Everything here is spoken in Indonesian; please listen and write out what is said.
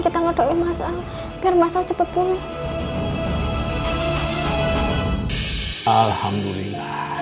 kita juga untuk doa yuk biar bagus cepet sehat ya mbak kita ajakin